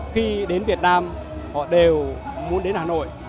khi đến việt nam họ đều muốn đến hà nội